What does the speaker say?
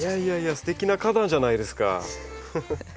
ステキな花壇じゃないですか。